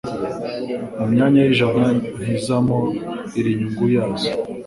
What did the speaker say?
mumyanya w'ijana ntizamo iri inyuma yazo.